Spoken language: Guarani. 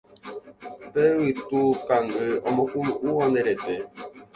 Pe yvytu kangy omokunu'ũva nde rete